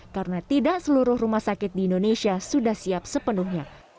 karena tidak seluruh rumah sakit di indonesia sudah siap sepenuhnya